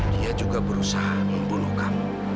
dia juga berusaha membunuh kamu